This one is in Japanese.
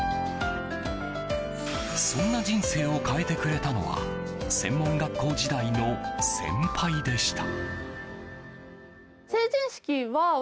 そんな人生を変えてくれたのは専門学校時代の先輩でした。